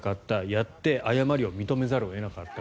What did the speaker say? やって、誤りを認めざるを得なかった。